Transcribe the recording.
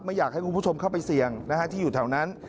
อยากให้คุณผู้ชมเข้าไปเสี่ยงที่อยู่แถวนั้น